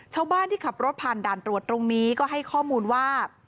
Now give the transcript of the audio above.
ชาวบ้านที่ขับรถผ่านด่านตรวจตรงนี้ก็ให้ข้อมูลว่า